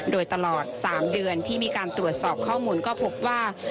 โดยตลอด๓เดือนที่มีการตรวจสอบข้อมูลก็พบว่า